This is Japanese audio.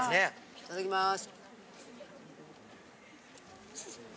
いただきます。